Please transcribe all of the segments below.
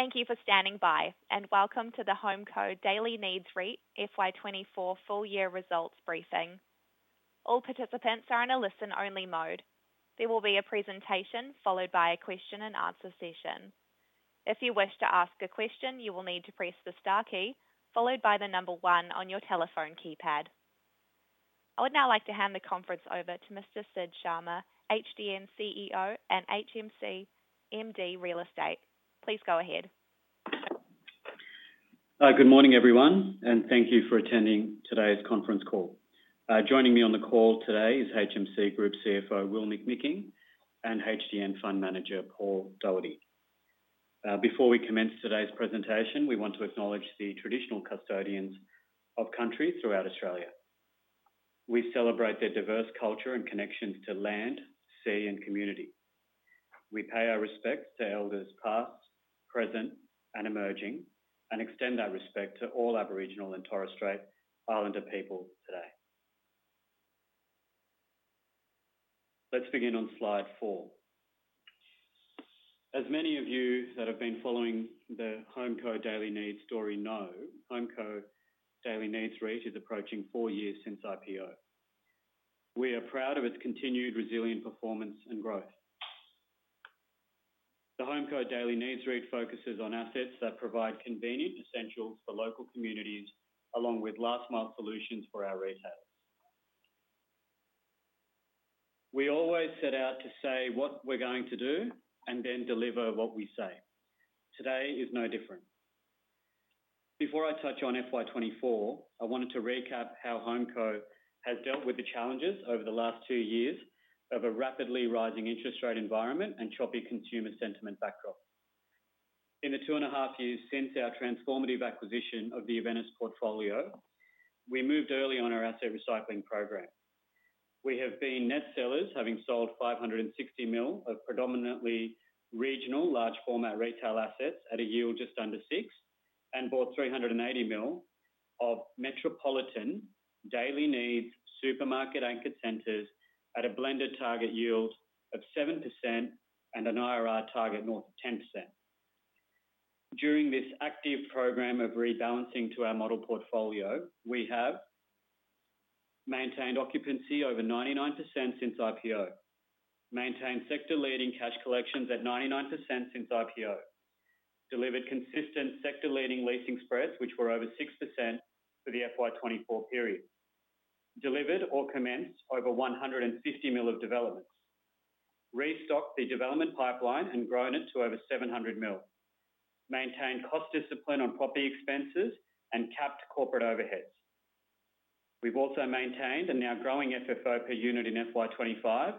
Thank you for standing by, and welcome to the HomeCo Daily Needs REIT FY 24 full year results briefing. All participants are in a listen-only mode. There will be a presentation followed by a question and answer session. If you wish to ask a question, you will need to press the star key, followed by the number one on your telephone keypad. I would now like to hand the conference over to Mr. Sid Sharma, HDN CEO and HMC MD Real Estate. Please go ahead. Good morning, everyone, and thank you for attending today's conference call. Joining me on the call today is HMC Capital CFO, Will McMicking, and HDN Fund Manager, Paul Doherty. Before we commence today's presentation, we want to acknowledge the traditional custodians of countries throughout Australia. We celebrate their diverse culture and connections to land, sea, and community. We pay our respects to Elders, past, present, and emerging, and extend our respect to all Aboriginal and Torres Strait Islander people today. Let's begin on slide 4. As many of you that have been following the HomeCo Daily Needs story know, HomeCo Daily Needs REIT is approaching 4 years since IPO. We are proud of its continued resilient performance and growth. The HomeCo Daily Needs REIT focuses on assets that provide convenient essentials for local communities, along with last-mile solutions for our retailers. We always set out to say what we're going to do and then deliver what we say. Today is no different. Before I touch on FY 2024, I wanted to recap how HomeCo has dealt with the challenges over the last two years of a rapidly rising interest rate environment and choppy consumer sentiment backdrop. In the two and a half years since our transformative acquisition of the Aventus portfolio, we moved early on our asset recycling program. We have been net sellers, having sold 560 million of predominantly regional large format retail assets at a yield just under 6, and bought 380 million of metropolitan daily needs, supermarket-anchored centers at a blended target yield of 7% and an IRR target north of 10%. During this active program of rebalancing to our model portfolio, we have maintained occupancy over 99% since IPO. Maintained sector-leading cash collections at 99% since IPO. Delivered consistent sector-leading leasing spreads, which were over 6% for the FY 2024 period. Delivered or commenced over 150 million of developments. Restocked the development pipeline and grown it to over 700 million. Maintained cost discipline on property expenses and capped corporate overheads. We've also maintained a now growing FFO per unit in FY 2025,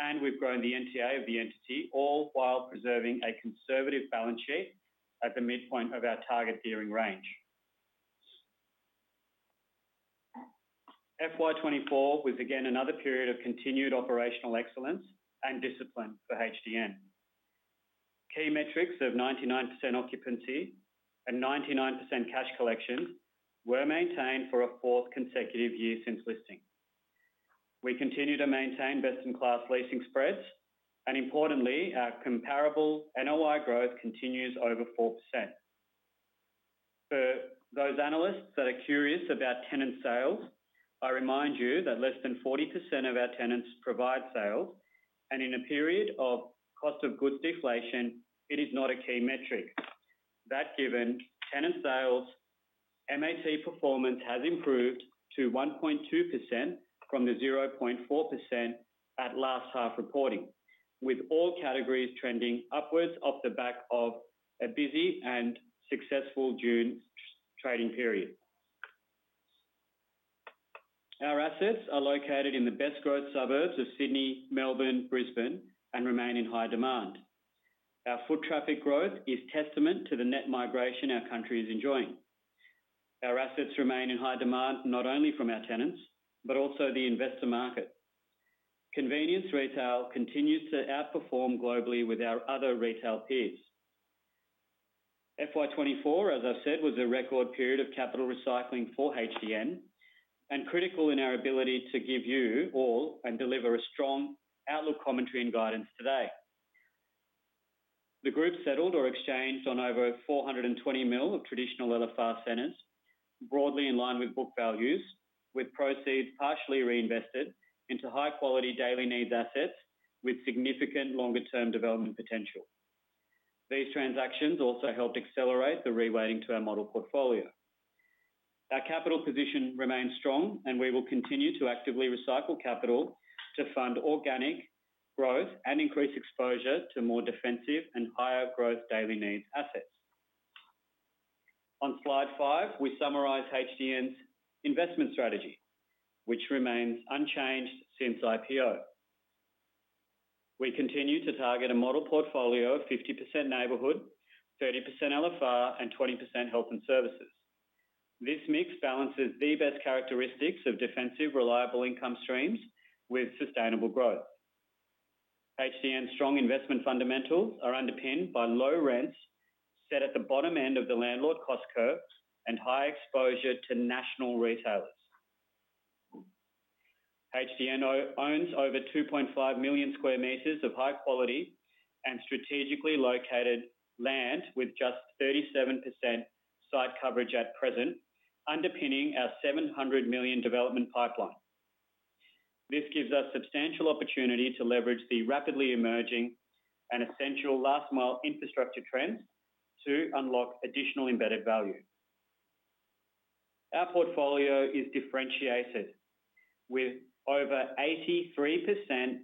and we've grown the NTA of the entity, all while preserving a conservative balance sheet at the midpoint of our target gearing range. FY 2024 was again another period of continued operational excellence and discipline for HDN. Key metrics of 99% occupancy and 99% cash collections were maintained for a fourth consecutive year since listing. We continue to maintain best-in-class leasing spreads, and importantly, our comparable NOI growth continues over 4%. For those analysts that are curious about tenant sales, I remind you that less than 40% of our tenants provide sales, and in a period of cost of goods deflation, it is not a key metric. That given, tenant sales, MAT performance has improved to 1.2% from the 0.4% at last half reporting, with all categories trending upwards off the back of a busy and successful June trading period. Our assets are located in the best growth suburbs of Sydney, Melbourne, Brisbane, and remain in high demand. Our foot traffic growth is testament to the net migration our country is enjoying. Our assets remain in high demand, not only from our tenants, but also the investor market. Convenience retail continues to outperform globally with our other retail peers. FY 2024, as I've said, was a record period of capital recycling for HDN and critical in our ability to give you all and deliver a strong outlook, commentary, and guidance today. The group settled or exchanged on over 420 million of traditional LFR centers, broadly in line with book values, with proceeds partially reinvested into high-quality daily needs assets with significant longer-term development potential. These transactions also helped accelerate the reweighting to our model portfolio. Our capital position remains strong, and we will continue to actively recycle capital to fund organic growth and increase exposure to more defensive and higher growth daily needs assets. On slide five, we summarize HDN's investment strategy, which remains unchanged since IPO. We continue to target a model portfolio of 50% neighborhood, 30% LFR, and 20% health and services. This mix balances the best characteristics of defensive, reliable income streams with sustainable growth. HDN's strong investment fundamentals are underpinned by low rents set at the bottom end of the landlord cost curves and high exposure to national retailers. HDN owns over 2.5 million square meters of high quality and strategically located land, with just 37% site coverage at present, underpinning our 700 million development pipeline. This gives us substantial opportunity to leverage the rapidly emerging and essential last mile infrastructure trends to unlock additional embedded value. Our portfolio is differentiated, with over 83%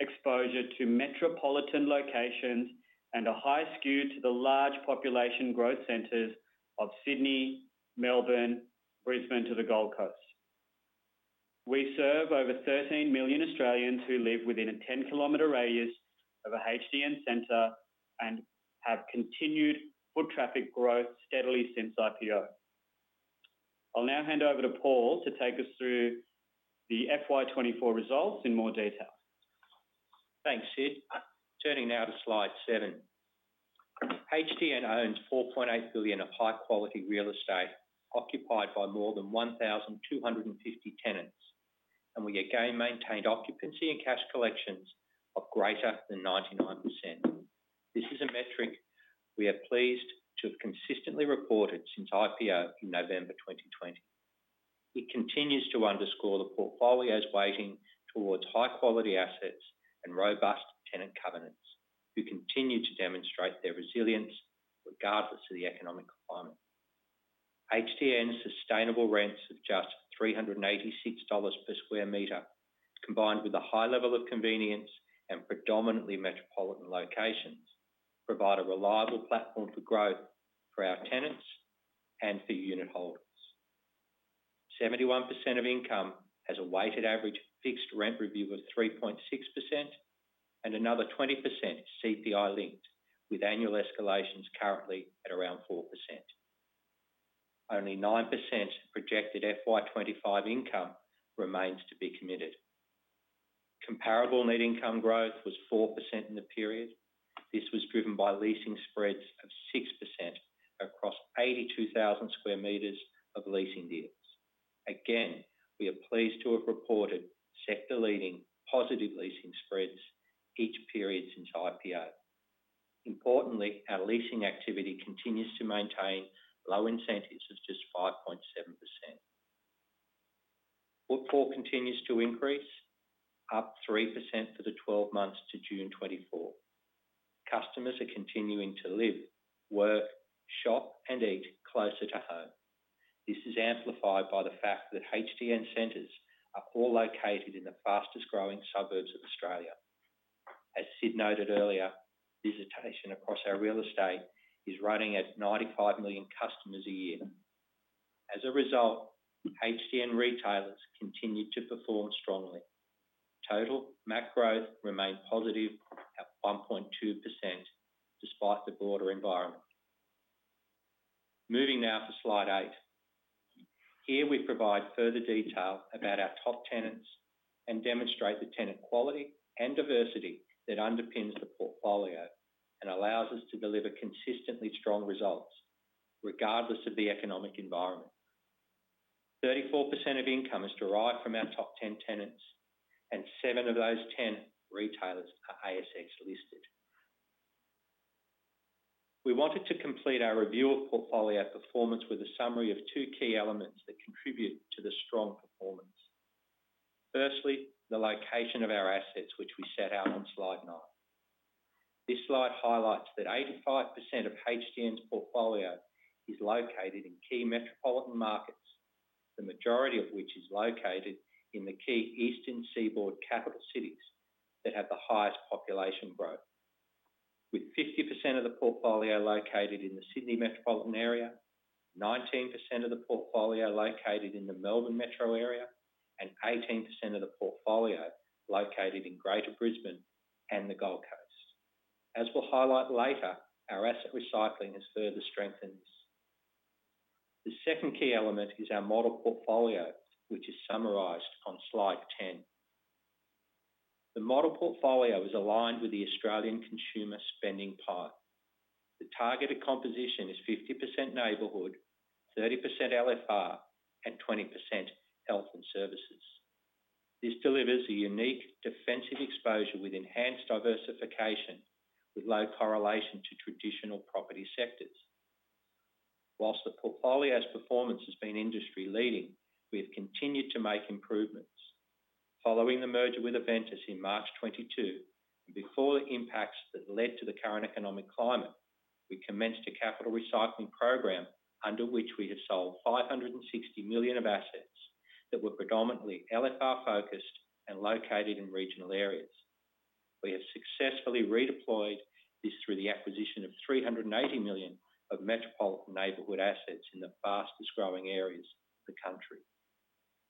exposure to metropolitan locations and a high skew to the large population growth centers of Sydney, Melbourne, Brisbane, to the Gold Coast. We serve over 13 million Australians who live within a 10-kilometer radius of a HDN center and have continued foot traffic growth steadily since IPO. I'll now hand over to Paul to take us through the FY 2024 results in more detail. Thanks, Sid. Turning now to slide 7. HDN owns 4.8 billion of high-quality real estate, occupied by more than 1,250 tenants, and we again maintained occupancy and cash collections of greater than 99%. This is a metric we are pleased to have consistently reported since IPO in November 2020. It continues to underscore the portfolio's weighting towards high-quality assets and robust tenant covenants, who continue to demonstrate their resilience regardless of the economic climate. HDN's sustainable rents of just 386 dollars per sq m, combined with a high level of convenience and predominantly metropolitan locations, provide a reliable platform for growth for our tenants and for unitholders. 71% of income has a weighted average fixed rent review of 3.6%, and another 20% is CPI-linked, with annual escalations currently at around 4%. Only 9% projected FY 2025 income remains to be committed. Comparable net income growth was 4% in the period. This was driven by leasing spreads of 6% across 82,000 square meters of leasing deals. Again, we are pleased to have reported sector-leading positive leasing spreads each period since IPO. Importantly, our leasing activity continues to maintain low incentives of just 5.7%. Footfall continues to increase, up 3% for the twelve months to June 2024. Customers are continuing to live, work, shop, and eat closer to home. This is amplified by the fact that HDN centers are all located in the fastest-growing suburbs of Australia. As Sid noted earlier, visitation across our real estate is running at 95 million customers a year. As a result, HDN retailers continued to perform strongly. Total MAT growth remained positive at 1.2% despite the broader environment. Moving now to slide 8. Here, we provide further detail about our top tenants and demonstrate the tenant quality and diversity that underpins the portfolio and allows us to deliver consistently strong results regardless of the economic environment. 34% of income is derived from our top 10 tenants, and 7 of those 10 retailers are ASX-listed. We wanted to complete our review of portfolio performance with a summary of two key elements that contribute to the strong performance. Firstly, the location of our assets, which we set out on slide 9. This slide highlights that 85% of HDN's portfolio is located in key metropolitan markets, the majority of which is located in the key eastern seaboard capital cities that have the highest population growth. With 50% of the portfolio located in the Sydney metropolitan area, 19% of the portfolio located in the Melbourne metro area, and 18% of the portfolio located in Greater Brisbane and the Gold Coast. As we'll highlight later, our asset recycling has further strengthened this. The second key element is our model portfolio, which is summarized on slide 10. The model portfolio is aligned with the Australian consumer spending pie. The targeted composition is 50% neighborhood, 30% LFR, and 20% health and services. This delivers a unique defensive exposure with enhanced diversification, with low correlation to traditional property sectors. While the portfolio's performance has been industry-leading, we have continued to make improvements. Following the merger with Aventus in March 2022, and before the impacts that led to the current economic climate, we commenced a capital recycling program under which we have sold 560 million of assets that were predominantly LFR-focused and located in regional areas. We have successfully redeployed this through the acquisition of 380 million of metropolitan neighborhood assets in the fastest-growing areas of the country.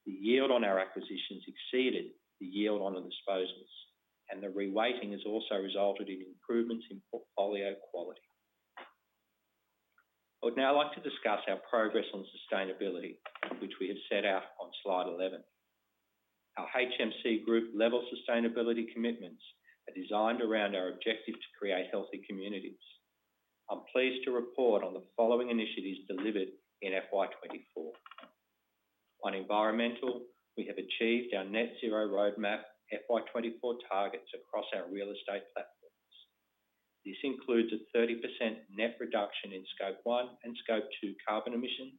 The yield on our acquisitions exceeded the yield on the disposals, and the reweighting has also resulted in improvements in portfolio quality. I would now like to discuss our progress on sustainability, which we have set out on slide 11. Our HMC group-level sustainability commitments are designed around our objective to create healthy communities.... I'm pleased to report on the following initiatives delivered in FY 2024. On environmental, we have achieved our net zero roadmap FY 2024 targets across our real estate platforms. This includes a 30% net reduction in Scope 1 and Scope 2 carbon emissions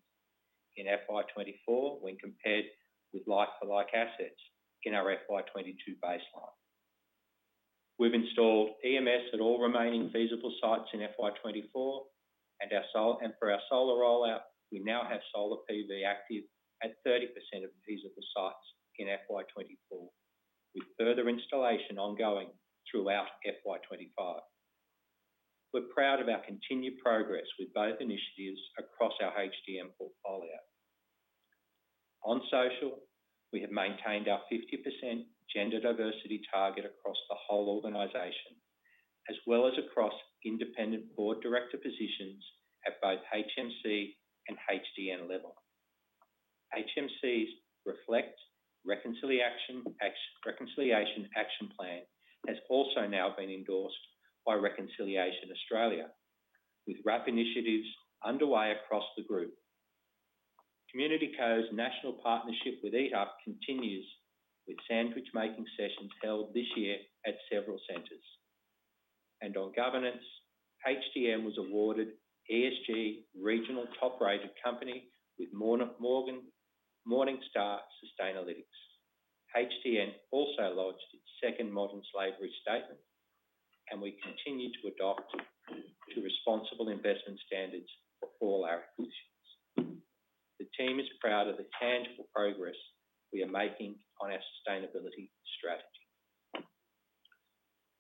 in FY 2024 when compared with like-for-like assets in our FY 2022 baseline. We've installed EMS at all remaining feasible sites in FY 2024, and our solar rollout, we now have solar PV active at 30% of feasible sites in FY 2024, with further installation ongoing throughout FY 2025. We're proud of our continued progress with both initiatives across our HDN portfolio. On social, we have maintained our 50% gender diversity target across the whole organization, as well as across independent board director positions at both HMC and HDN level. HMC's Reflect Reconciliation Action Plan has also now been endorsed by Reconciliation Australia, with RAP initiatives underway across the group. Community Co's national partnership with Eat Up continues, with sandwich-making sessions held this year at several centers. And on governance, HDN was awarded ESG Regional Top Rated Company with Morningstar Sustainalytics. HDN also lodged its second Modern Slavery Statement, and we continue to adopt to responsible investment standards for all our acquisitions. The team is proud of the tangible progress we are making on our sustainability strategy.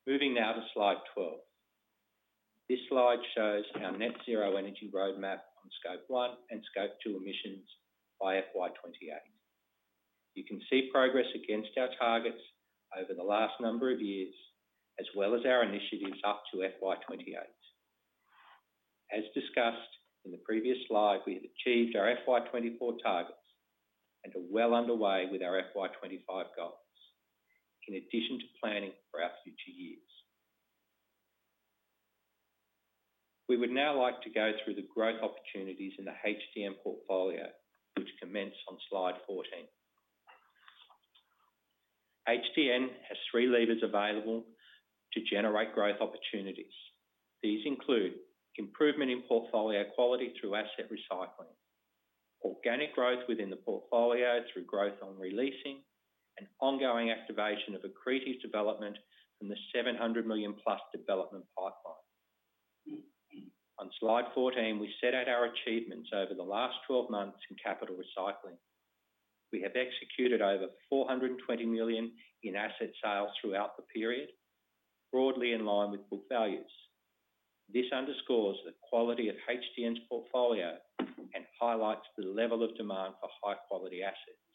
Moving now to slide 12. This slide shows our net zero energy roadmap on Scope 1 and Scope 2 emissions by FY 2028. You can see progress against our targets over the last number of years, as well as our initiatives up to FY 2028. As discussed in the previous slide, we have achieved our FY 2024 targets and are well underway with our FY 2025 goals, in addition to planning for our future years. We would now like to go through the growth opportunities in the HDN portfolio, which commence on Slide 14. HDN has 3 levers available to generate growth opportunities. These include: improvement in portfolio quality through asset recycling, organic growth within the portfolio through growth on re-leasing, and ongoing activation of accretive development from the 700 million-plus development pipeline. On Slide 14, we set out our achievements over the last 12 months in capital recycling. We have executed over 420 million in asset sales throughout the period, broadly in line with book values. This underscores the quality of HDN's portfolio and highlights the level of demand for high-quality assets.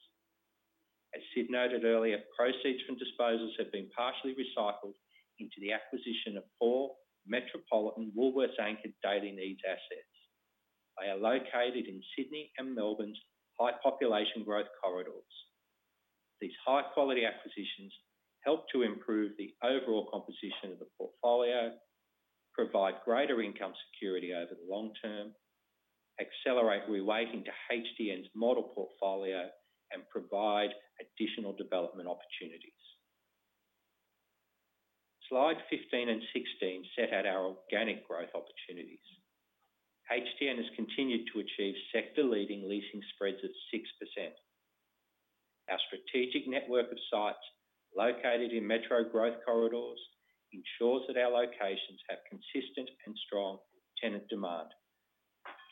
As Sid noted earlier, proceeds from disposals have been partially recycled into the acquisition of 4 metropolitan Woolworths-anchored daily needs assets. They are located in Sydney and Melbourne's high population growth corridors. These high-quality acquisitions help to improve the overall composition of the portfolio, provide greater income security over the long term, accelerate reweighting to HDN's model portfolio, and provide additional development opportunities. Slide 15 and 16 set out our organic growth opportunities. HDN has continued to achieve sector-leading leasing spreads at 6%. Our strategic network of sites located in metro growth corridors ensures that our locations have consistent and strong tenant demand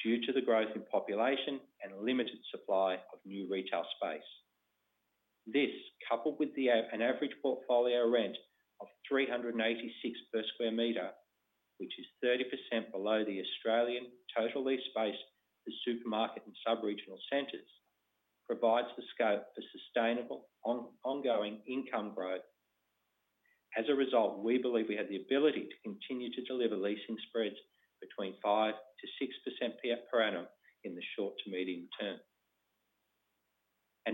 due to the growth in population and limited supply of new retail space. This, coupled with an average portfolio rent of 386 per sq m, which is 30% below the Australian total leased space for supermarket and subregional centers, provides the scope for sustainable ongoing income growth. As a result, we believe we have the ability to continue to deliver leasing spreads between 5%-6% per annum in the short to medium term.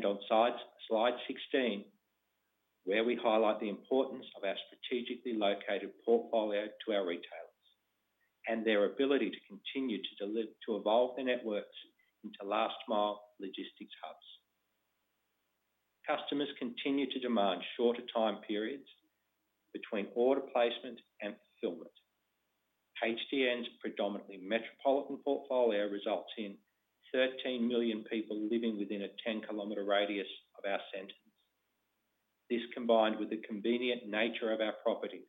On slide 16, where we highlight the importance of our strategically located portfolio to our retailers and their ability to continue to evolve their networks into last-mile logistics hubs. Customers continue to demand shorter time periods between order placement and fulfillment. HDN's predominantly metropolitan portfolio results in 13 million people living within a 10-kilometer radius of our centers. This, combined with the convenient nature of our properties,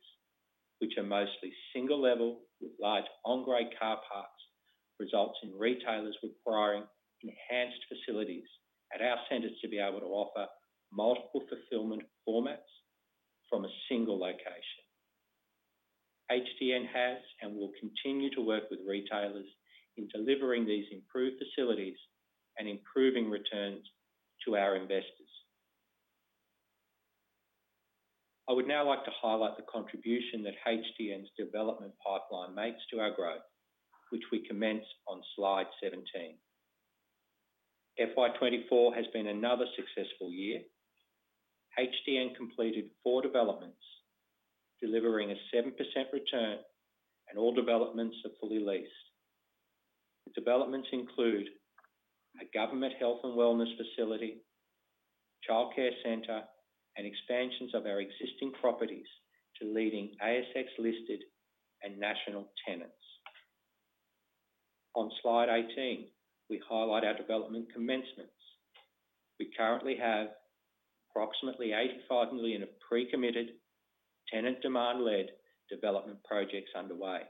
which are mostly single level with large on-grade car parks, results in retailers requiring enhanced facilities at our centers to be able to offer multiple fulfillment formats from a single location. HDN has and will continue to work with retailers in delivering these improved facilities and improving returns to our investors. I would now like to highlight the contribution that HDN's development pipeline makes to our growth, which we commence on Slide 17. FY 2024 has been another successful year. HDN completed 4 developments, delivering a 7% return, and all developments are fully leased. The developments include: a government health and wellness facility, childcare center, and expansions of our existing properties to leading ASX-listed and national tenants. On Slide 18, we highlight our development commencements. We currently have approximately 85 million of pre-committed tenant demand-led development projects underway.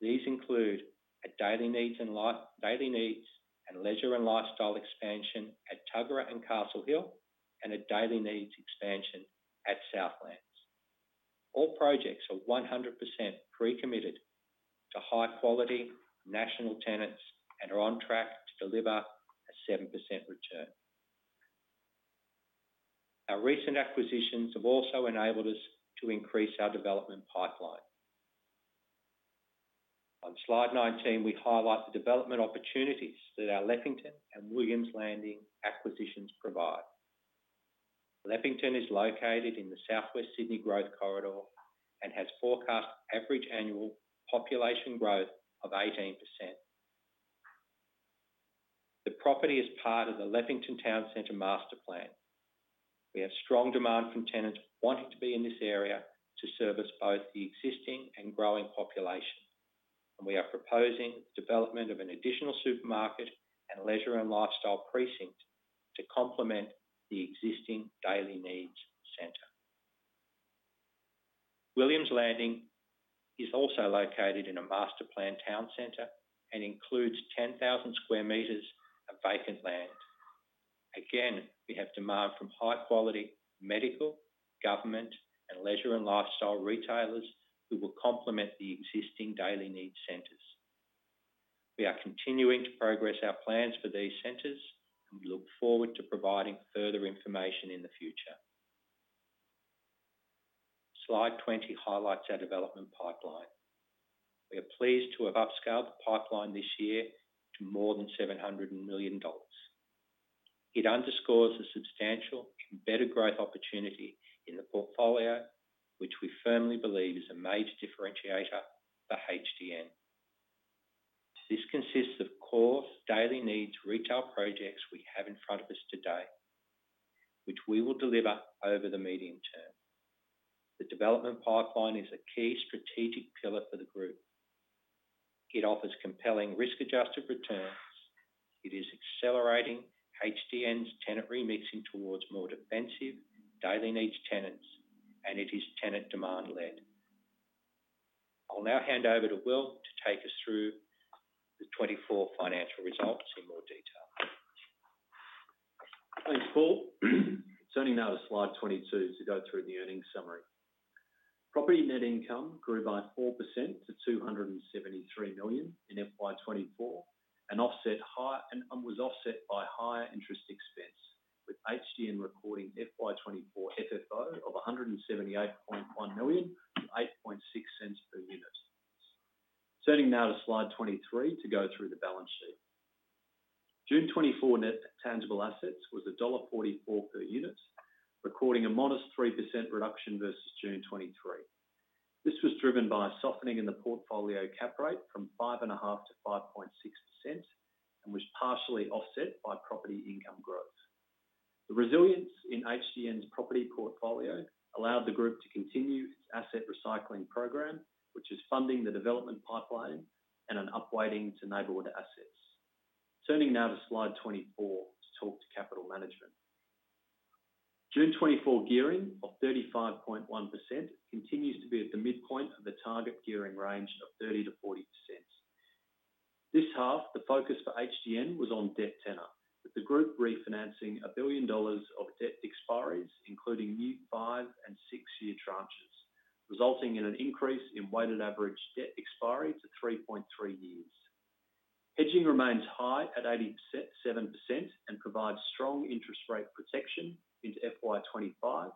These include a daily needs, and leisure and lifestyle expansion at Tuggerah and Castle Hill, and a daily needs expansion at Southlands. All projects are 100% pre-committed to high-quality national tenants and are on track to deliver a 7% return. Our recent acquisitions have also enabled us to increase our development pipeline. On Slide 19, we highlight the development opportunities that our Leppington and Williams Landing acquisitions provide. Leppington is located in the Southwest Sydney Growth Corridor and has forecast average annual population growth of 18%. The property is part of the Leppington Town Centre master plan. We have strong demand from tenants wanting to be in this area to service both the existing and growing population, and we are proposing development of an additional supermarket and leisure and lifestyle precinct to complement the existing daily needs center. Williams Landing is also located in a master plan town center and includes 10,000 sq m of vacant land. Again, we have demand from high-quality medical, government, and leisure and lifestyle retailers who will complement the existing daily needs centers. We are continuing to progress our plans for these centers, and we look forward to providing further information in the future. Slide 20 highlights our development pipeline. We are pleased to have upscaled the pipeline this year to more than 700 million dollars. It underscores the substantial and better growth opportunity in the portfolio, which we firmly believe is a major differentiator for HDN. This consists of core daily needs retail projects we have in front of us today, which we will deliver over the medium term. The development pipeline is a key strategic pillar for the group. It offers compelling risk-adjusted returns, it is accelerating HDN's tenant remixing towards more defensive daily needs tenants, and it is tenant demand-led. I'll now hand over to Will to take us through the 24 financial results in more detail. Thanks, Paul. Turning now to Slide 22 to go through the earnings summary. Property net income grew by 4% to 273 million in FY 2024 and was offset by higher interest expense, with HDN recording FY 2024 FFO of 178.1 million, 0.086 per unit. Turning now to Slide 23 to go through the balance sheet. June 2024 net tangible assets was dollar 1.44 per unit, recording a modest 3% reduction versus June 2023. This was driven by a softening in the portfolio cap rate from 5.5%-5.6% and was partially offset by property income growth. The resilience in HDN's property portfolio allowed the group to continue its asset recycling program, which is funding the development pipeline and an upweighting to neighborhood assets. Turning now to Slide 24 to talk to capital management. June 2024 gearing of 35.1% continues to be at the midpoint of the target gearing range of 30%-40%. This half, the focus for HDN was on debt tenor, with the group refinancing 1 billion dollars of debt expiries, including new 5- and 6-year tranches, resulting in an increase in weighted average debt expiry to 3.3 years. Hedging remains high at 87% and provides strong interest rate protection into FY 2025,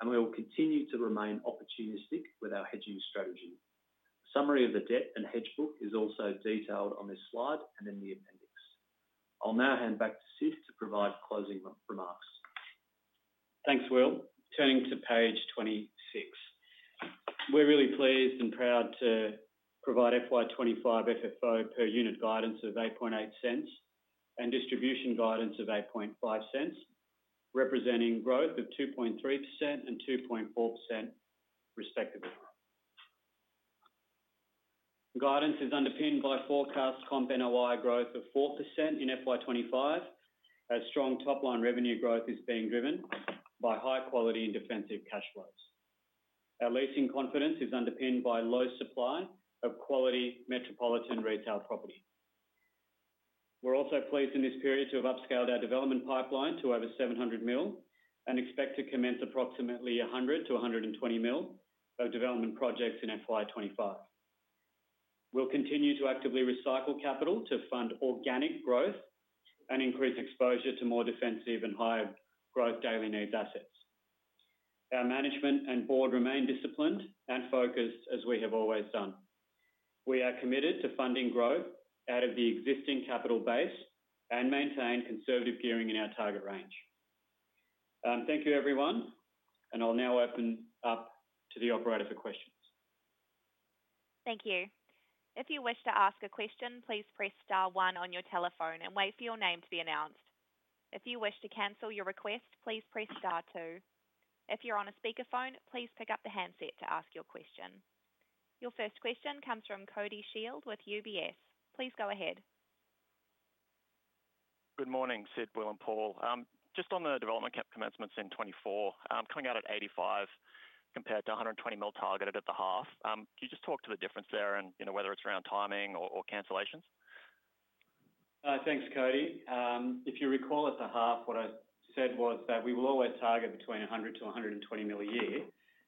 and we will continue to remain opportunistic with our hedging strategy. Summary of the debt and hedge book is also detailed on this slide and in the appendix. I'll now hand back to Sid to provide closing remarks. Thanks, Will. Turning to page 26. We're really pleased and proud to provide FY 2025 FFO per unit guidance of 0.088 and distribution guidance of 0.085, representing growth of 2.3% and 2.4% respectively. Guidance is underpinned by forecast comp NOI growth of 4% in FY 2025, as strong top-line revenue growth is being driven by high quality and defensive cash flows. Our leasing confidence is underpinned by low supply of quality metropolitan retail property. We're also pleased in this period to have upscaled our development pipeline to over 700 million, and expect to commence approximately 100 million-120 million of development projects in FY 2025. We'll continue to actively recycle capital to fund organic growth and increase exposure to more defensive and higher growth daily needs assets. Our management and board remain disciplined and focused as we have always done. We are committed to funding growth out of the existing capital base and maintain conservative gearing in our target range. Thank you, everyone, and I'll now open up to the operator for questions. Thank you. If you wish to ask a question, please press star one on your telephone and wait for your name to be announced. If you wish to cancel your request, please press star two. If you're on a speakerphone, please pick up the handset to ask your question. Your first question comes from Cody Shield with UBS. Please go ahead. Good morning, Sid, Will, and Paul. Just on the development CapEx commencements in 2024, coming out at 85 million compared to 120 million targeted at the half. Can you just talk to the difference there and, you know, whether it's around timing or, or cancellations? Thanks, Cody. If you recall, at the half, what I said was that we will always target between 100 million to 120 million a year.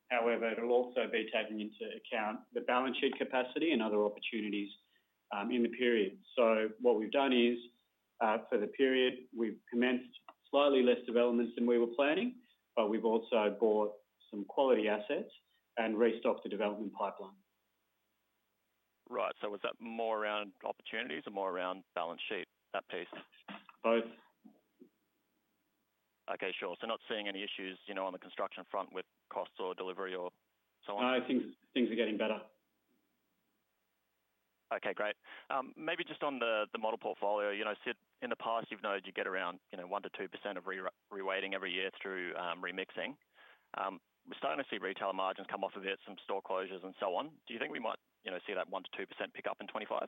However, it'll also be taking into account the balance sheet capacity and other opportunities, in the period. So what we've done is, for the period, we've commenced slightly less developments than we were planning, but we've also bought some quality assets and restocked the development pipeline. Right. So was that more around opportunities or more around balance sheet, that piece? Both. Okay, sure. So not seeing any issues, you know, on the construction front with costs or delivery or so on? No, things are getting better. Okay, great. Maybe just on the model portfolio, you know, Sid, in the past, you've noted you get around, you know, 1%-2% of reweighting every year through remixing. We're starting to see retailer margins come off of it, some store closures and so on. Do you think we might, you know, see that 1%-2% pick up in 2025?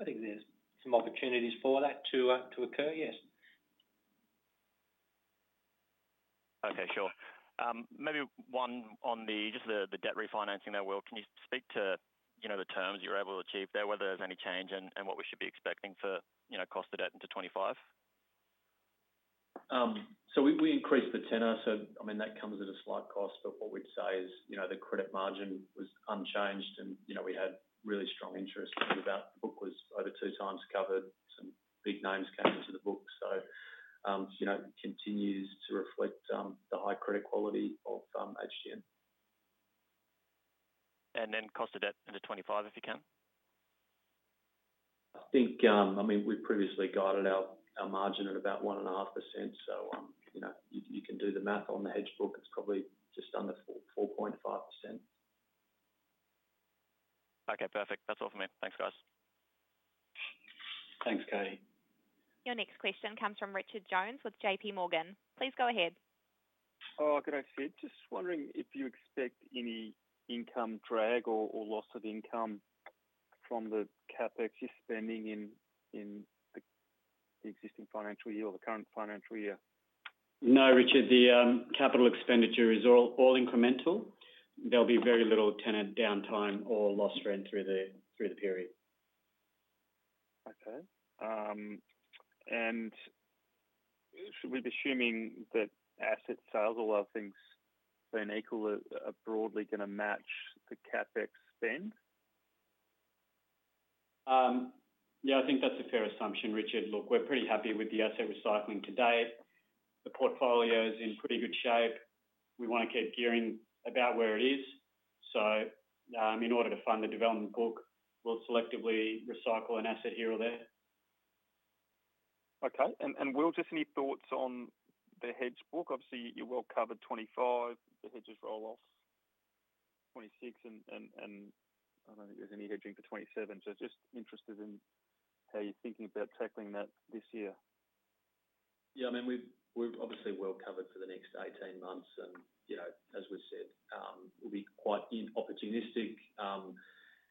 I think there's some opportunities for that to occur, yes. Okay, sure. Maybe one on just the debt refinancing there, Will. Can you speak to, you know, the terms you were able to achieve there, whether there's any change and what we should be expecting for, you know, cost of debt into 2025? So we increased the tenor, so I mean, that comes at a slight cost, but what we'd say is, you know, the credit margin was unchanged and, you know, we had really strong interest, and that book was over 2 times covered. Some big names came into the book. So, you know, it continues to reflect the high credit quality of HDN. And then cost of debt into 2025, if you can? I think, I mean, we previously guided our margin at about 1.5%. So, you know, you can do the math on the hedge book. It's probably just under 4-4.5%. Okay, perfect. That's all for me. Thanks, guys. Thanks, Cody. Your next question comes from Richard Jones with JP Morgan. Please go ahead. Oh, good day, Sid. Just wondering if you expect any income drag or loss of income from the CapEx you're spending in the existing financial year or the current financial year? No, Richard, the capital expenditure is all, all incremental. There'll be very little tenant downtime or lost rent through the period. Okay. And we're assuming that asset sales, all other things being equal, are broadly gonna match the CapEx spend? Yeah, I think that's a fair assumption, Richard. Look, we're pretty happy with the asset recycling to date. The portfolio is in pretty good shape. We want to keep gearing about where it is. So, in order to fund the development book, we'll selectively recycle an asset here or there. Okay. Will, just any thoughts on the hedge book? Obviously, you're well covered 2025. The hedges roll off 2026 and I don't think there's any hedging for 2027. So just interested in how you're thinking about tackling that this year. Yeah, I mean, we've, we're obviously well covered for the next 18 months and, you know, as we've said, we'll be quite in opportunistic.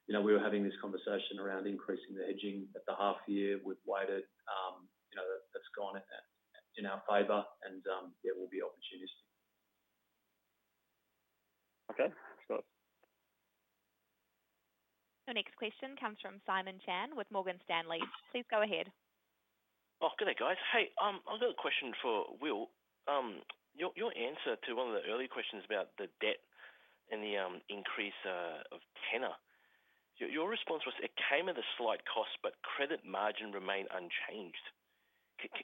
You know, we were having this conversation around increasing the hedging at the half year. We've waited, you know, that's gone in our favor, and, yeah, we'll be opportunistic. Okay, thanks, guys. The next question comes from Simon Chan with Morgan Stanley. Please go ahead. Oh, good day, guys. Hey, I've got a question for Will. Your answer to one of the earlier questions about the debt and the increase of tenor. Your response was, "It came at a slight cost, but credit margin remained unchanged."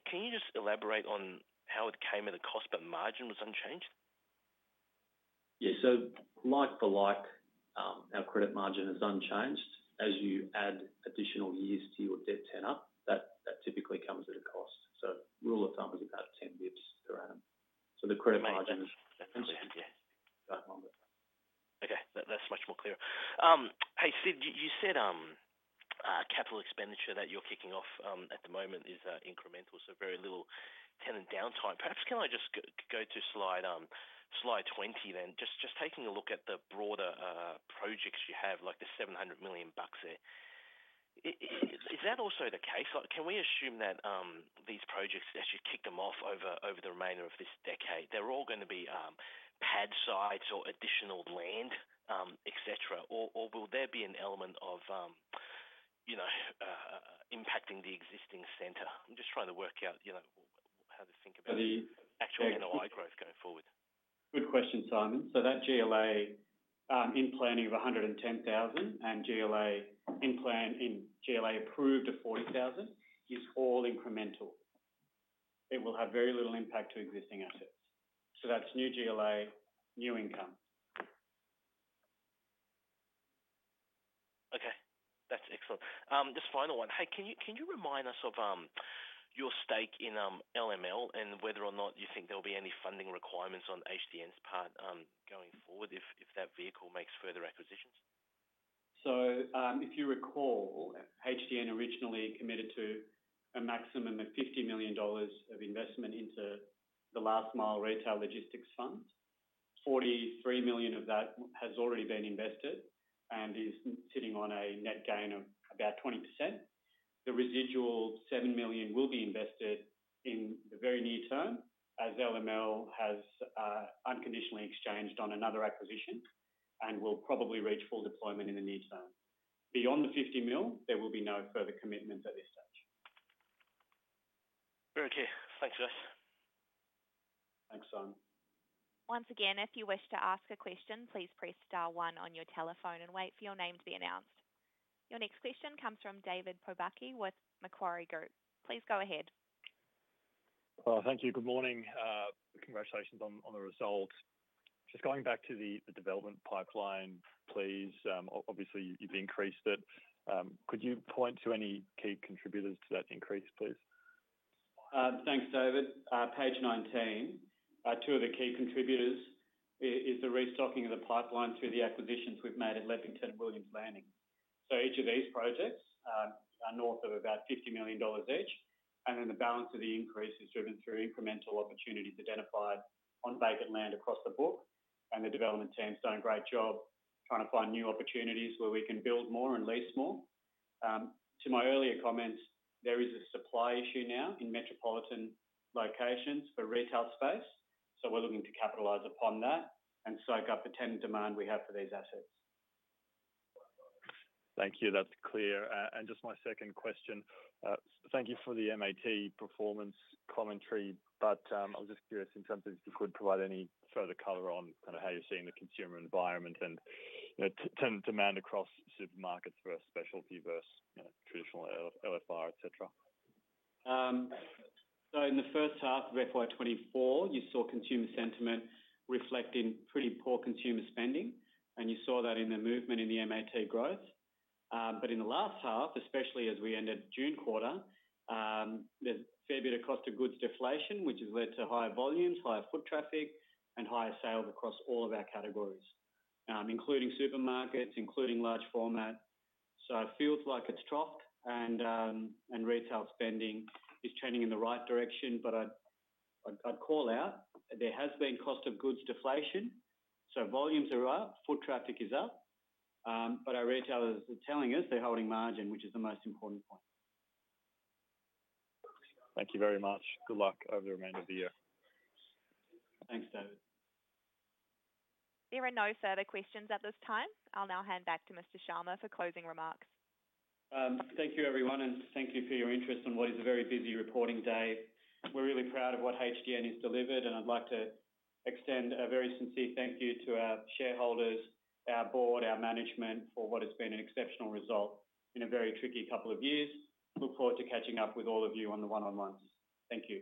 Can you just elaborate on how it came at a cost, but margin was unchanged? Yeah, so like for like, our credit margin is unchanged. As you add additional years to your debt tenor, that typically comes at a cost. So rule of thumb is about 10 basis points around. So the credit margin- Okay, that's much more clear. Hey, Sid, you said capital expenditure that you're kicking off at the moment is incremental, so very little tenant downtime. Perhaps can I just go to slide 20 then, just taking a look at the broader projects you have, like the 700 million bucks there. Is that also the case? Like, can we assume that these projects, as you kick them off over the remainder of this decade, they're all gonna be pad sites or additional land, et cetera, or will there be an element of you know impacting the existing center? I'm just trying to work out, you know, how to think about the actual NNI growth going forward. Good question, Simon. So that GLA in planning of 110,000 and GLA in plan, in GLA approved of 40,000 is all incremental. It will have very little impact to existing assets. So that's new GLA, new income. Okay, that's excellent. Just final one. Hey, can you remind us of your stake in LML and whether or not you think there'll be any funding requirements on HDN's part going forward if that vehicle makes further acquisitions? If you recall, HDN originally committed to a maximum of 50 million dollars of investment into the Last Mile Logistics Fund. 43 million of that has already been invested and is sitting on a net gain of about 20%. The residual 7 million will be invested in the very near term, as LML has unconditionally exchanged on another acquisition and will probably reach full deployment in the near term. Beyond the 50 million, there will be no further commitments at this stage. Very clear. Thanks for this. Thanks, Simon. Once again, if you wish to ask a question, please press star one on your telephone and wait for your name to be announced. Your next question comes from David Pobucki with Macquarie Group. Please go ahead. Thank you. Good morning. Congratulations on, on the results. Just going back to the, the development pipeline, please, obviously, you've increased it. Could you point to any key contributors to that increase, please? Thanks, David. Page 19, two of the key contributors is the restocking of the pipeline through the acquisitions we've made at Leppington and Williams Landing. So each of these projects are north of about 50 million dollars each, and then the balance of the increase is driven through incremental opportunities identified on vacant land across the book, and the development team's done a great job trying to find new opportunities where we can build more and lease more. To my earlier comments, there is a supply issue now in metropolitan locations for retail space, so we're looking to capitalize upon that and soak up the tenant demand we have for these assets. Thank you. That's clear. And just my second question. Thank you for the MAT performance commentary, but I was just curious if you could provide any further color on kind of how you're seeing the consumer environment and tenant demand across supermarkets versus specialty versus, you know, traditional LFR, et cetera. So in the first half of FY 2024, you saw consumer sentiment reflecting pretty poor consumer spending, and you saw that in the movement in the MAT growth. But in the last half, especially as we ended June quarter, there's a fair bit of cost of goods deflation, which has led to higher volumes, higher foot traffic, and higher sales across all of our categories, including supermarkets, including large format. So it feels like it's dropped and, and retail spending is trending in the right direction, but I'd call out there has been cost of goods deflation, so volumes are up, foot traffic is up, but our retailers are telling us they're holding margin, which is the most important point. Thank you very much. Good luck over the remainder of the year. Thanks, David. There are no further questions at this time. I'll now hand back to Mr. Sharma for closing remarks. Thank you, everyone, and thank you for your interest in what is a very busy reporting day. We're really proud of what HDN has delivered, and I'd like to extend a very sincere thank you to our shareholders, our board, our management, for what has been an exceptional result in a very tricky couple of years. Look forward to catching up with all of you on the one-on-ones. Thank you.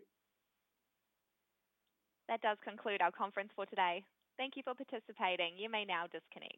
That does conclude our conference for today. Thank you for participating. You may now disconnect.